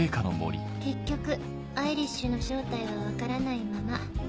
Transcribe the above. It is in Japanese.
結局アイリッシュの正体は分からないまま。